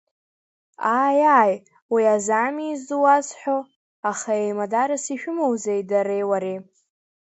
Ааи, ааи, уи азами изуасҳәо, аха еимадарас ишәымоузеи дареи уареи?